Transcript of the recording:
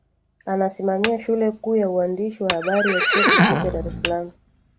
anasimamia shule kuu ya uandishi wa habari ya chuo kikuu cha dar es salaam